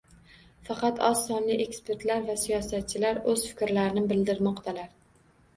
Faqat oz sonli ekspertlar va siyosatchilar o'z fikrlarini bildirmoqdalar